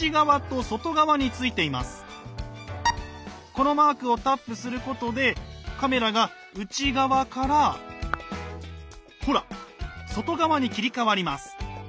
このマークをタップすることでカメラが内側からほら外側に切り替わります。